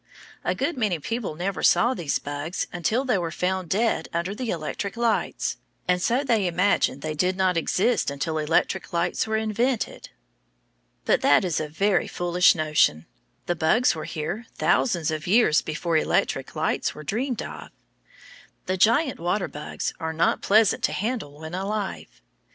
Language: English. A good many people never saw these bugs until they were found dead under the electric lights, and so they imagined they did not exist until electric lights were invented. But that is a very foolish notion; the bugs were here thousands of years before electric lights were dreamed of. The giant water bugs are not pleasant to handle when alive.